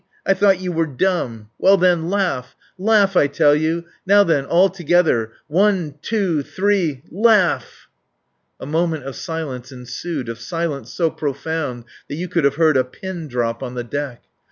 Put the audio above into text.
I thought you were dumb. Well, then laugh! Laugh I tell you. Now then all together. One, two, three laugh!" A moment of silence ensued, of silence so profound that you could have heard a pin drop on the deck.